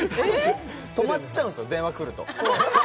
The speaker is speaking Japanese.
止まっちゃうんですよ、電話来ると。